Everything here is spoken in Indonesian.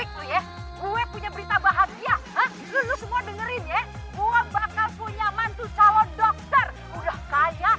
gue punya berita bahagia dulu semua dengerin ya gue bakal punya mantu calon dokter udah kaya